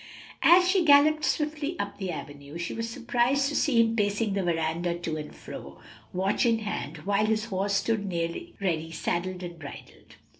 As she galloped swiftly up the avenue, she was surprised to see him pacing the veranda to and fro, watch in hand, while his horse stood near ready saddled and bridled.